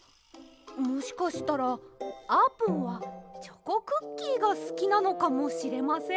もしかしたらあーぷんはチョコクッキーがすきなのかもしれません。